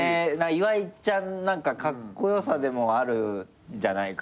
岩井ちゃんのカッコ良さでもあるんじゃないかなぁ。